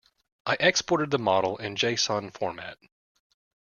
I exported the model in json format.